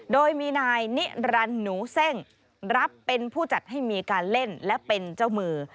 โดยมีนายนิรันดิ์หนูเส้งรับเป็นผู้จัดให้มีการเล่นและเป็นเจ้ามือ